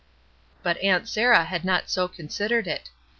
But Aunt Sarah had not so considered it.